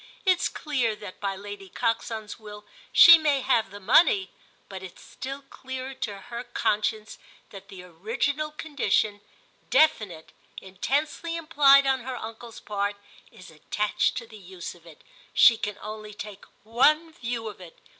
It's clear that by Lady Coxon's will she may have the money, but it's still clearer to her conscience that the original condition, definite, intensely implied on her uncle's part, is attached to the use of it. She can only take one view of it.